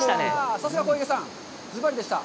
さすが小池さん、ズバリでした。